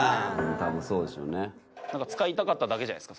多分そうでしょうね。